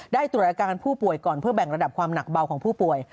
ตรวจอาการผู้ป่วยก่อนเพื่อแบ่งระดับความหนักเบาของผู้ป่วย